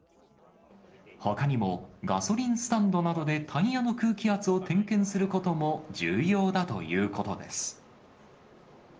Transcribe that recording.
ほかにもガソリンスタンドなどでタイヤの空気圧を点検することも重要だということです。